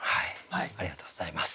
ありがとうございます。